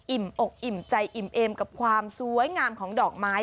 อกอิ่มใจอิ่มเอมกับความสวยงามของดอกไม้